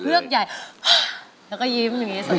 เฮือบใหญ่ไปแล้วยิ้ม